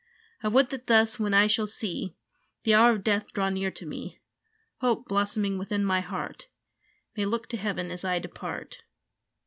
I would that thus, when I shall see The hour of death draw near to me, Hope, blossoming within my heart, May look to heaven as I depart.